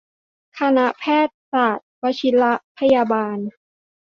คณะแพทยศาสตร์วชิรพยาบาล